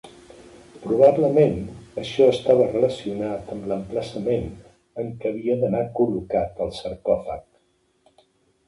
Probablement, això estava relacionat amb l'emplaçament en què havia d'anar col·locat el sarcòfag.